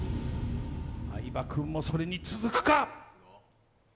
相葉君もそれに続くか。